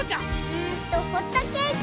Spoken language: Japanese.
うんとホットケーキ！